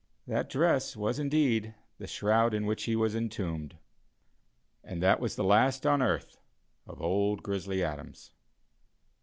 That dress was indeed the shroud in which he was entombed. And that was the last on earth of "Old Grizzly Adams."